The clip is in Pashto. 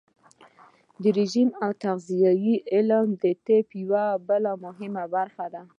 د رژیم او تغذیې علم د طب یوه بله مهمه برخه ده.